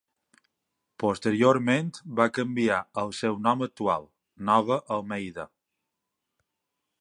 Posteriorment va canviar al seu nom actual, Nova Almeida.